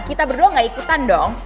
kita berdua gak ikutan dong